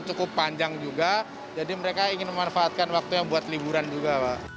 cukup panjang juga jadi mereka ingin memanfaatkan waktunya buat liburan juga